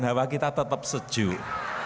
hawa kita tetap sejuk